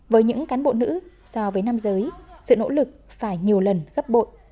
với những cán bộ nữ so với nam giới sự nỗ lực phải nhiều lần gấp bội